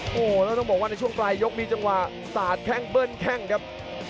โอ้โหแล้วต้องบอกว่าในช่วงปลายยกมีจังหวะสาดแข้งเบิ้ลแข้งครับ